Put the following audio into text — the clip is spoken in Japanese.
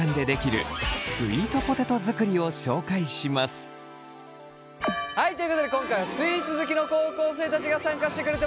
そしてはいということで今回はスイーツ好きの高校生たちが参加してくれてます。